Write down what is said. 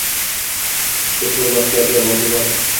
Bismilloh kabi lojuvard